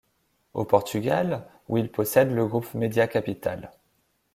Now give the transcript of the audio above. Au Portugal, où il possède le groupe Media Capital.